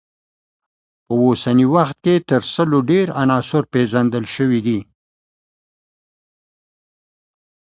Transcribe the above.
په اوسني وخت کې تر سلو ډیر عناصر پیژندل شوي دي.